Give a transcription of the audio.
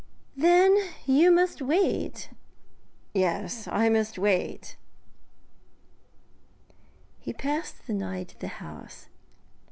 'Then you must wait.' 'Yes, I must wait.' He passed the night at the house.